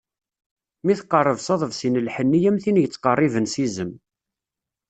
Mi tqerreb s aḍebsi n lḥenni am tin yettqerriben s izem.